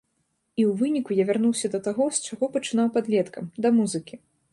І ў выніку я вярнуўся да таго, з чаго пачынаў падлеткам, да музыкі.